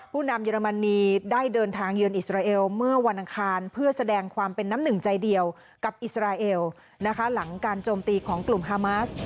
นำเยอรมนีได้เดินทางเยือนอิสราเอลเมื่อวันอังคารเพื่อแสดงความเป็นน้ำหนึ่งใจเดียวกับอิสราเอลนะคะหลังการโจมตีของกลุ่มฮามาส